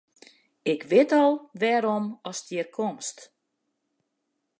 Ik wit al wêrom ast hjir komst.